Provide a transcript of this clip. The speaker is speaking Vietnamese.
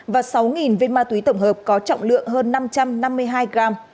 và sáu viên ma túy tổng hợp có trọng lượng hơn năm trăm năm mươi hai gram